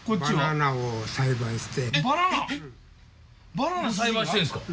バナナ栽培してるんですか？